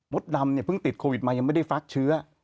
ดำเนี่ยเพิ่งติดโควิดมายังไม่ได้ฟักเชื้อ